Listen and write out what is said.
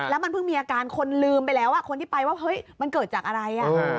แล้วมันเพิ่งมีอาการคนลืมไปแล้วคนที่ไปว่าเฮ้ยมันเกิดจากอะไร